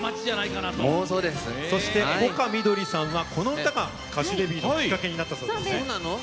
そして丘みどりさんはこの歌が歌手デビューのきっかけになったそうです。